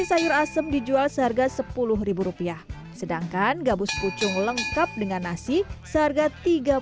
sayur asem dijual seharga sepuluh rupiah sedangkan gabus pucung lengkap dengan nasi seharga tiga puluh lima rupiah